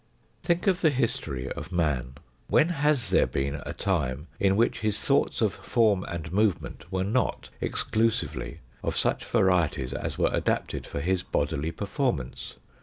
Think of the history of man. When has there been a time, in which his thoughts of form and movement were not exclusively of such varieties as were adapted for his bodily performance